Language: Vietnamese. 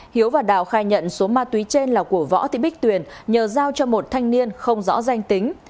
hiếu và đào khai nhận số ma túy trên là của võ thị bích tuyền nhờ giao cho một thanh niên không rõ danh tính